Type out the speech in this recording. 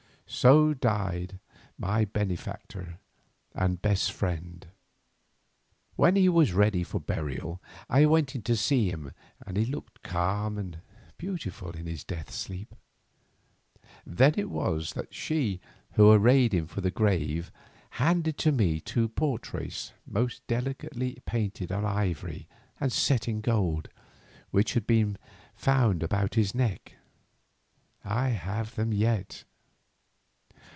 So died my benefactor and best friend. When he was made ready for burial I went in to see him and he looked calm and beautiful in his death sleep. Then it was that she who had arrayed him for the grave handed to me two portraits most delicately painted on ivory and set in gold, which had been found about his neck. I have them yet.